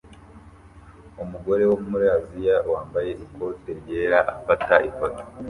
Umugore wo muri Aziya wambaye ikote ryera afata ifoto